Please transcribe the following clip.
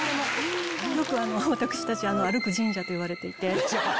よく私たち歩く神社と言われてて。